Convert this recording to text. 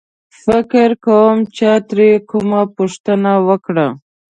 فکر کوم چا ترې کومه پوښتنه وکړه.